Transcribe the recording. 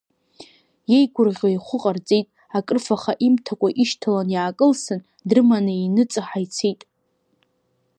Иеигәырӷьо ихәы ҟарҵеит, акрыфаха имҭакәа ишьҭаланы иаакылсын, дрыманы иныҵаҳа ицеит.